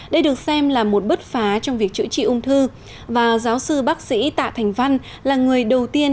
đây được xem là một bước phá trong việc chữa trị ung thư và giáo sư bác sĩ tạ thành văn là người đầu tiên